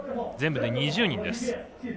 全部で２０人です。